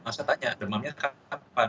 masa tanya demamnya kapan